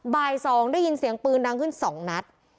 บ่าย๒ได้ยินเสียงปืนดังขึ้น๒นัด